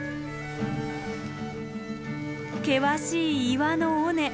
険しい岩の尾根。